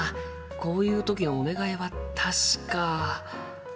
こういう時のお願いは確か。